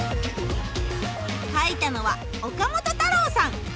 かいたのは岡本太郎さん！